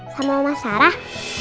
sama oma sarah